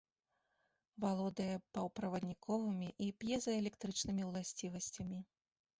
Валодае паўправадніковымі і п'езаэлектрычнымі ўласцівасцямі.